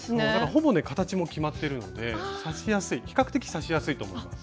ほぼね形も決まってるので刺しやすい比較的刺しやすいと思います。